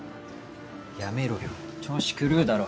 やめろよ調子狂うだろ。